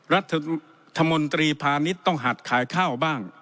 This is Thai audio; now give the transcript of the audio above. รัฐมนตรีพาณิชย์ต้องหัดขายข้าวบ้าง